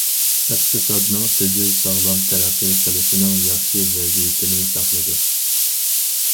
ئىقتىسادنىڭ سىجىل ساغلام تەرەققىي قىلىشىنىڭ ياخشى ۋەزىيىتىنى ساقلىدى.